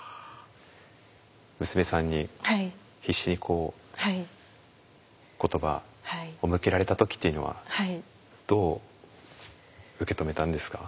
娘さんに必死にこう言葉を向けられた時っていうのはどう受け止めたんですか？